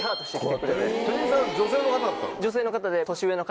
店員さん女性の方だったの？